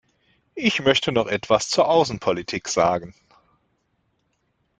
Ich möchte noch etwas zur Außenpolitik sagen.